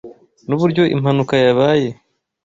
Nuburyo impanuka yabaye.